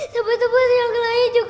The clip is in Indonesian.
tepuk tepuk yang lain juga tidak sakit perut